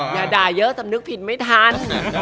อย่าด่าเยอะสำนึกผิดไม่ทัน